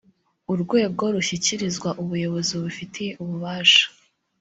urwego rushyikirizwa ubuyobozi bubifitiye ububasha